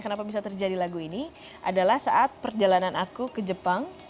kenapa bisa terjadi lagu ini adalah saat perjalanan aku ke jepang